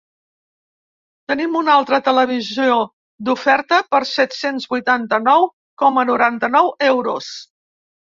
Tenim un altre televisor d'oferta per set-cents vuitanta-nou coma noranta-nou euros.